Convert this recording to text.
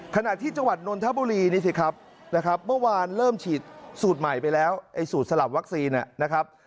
ขณะที่จังหวัดนนทบุรีนี่สิครับนะครับเมื่อวานเริ่มฉีดสูตรใหม่ไปแล้วไอ้สูตรสลับวัคซีนนะครับ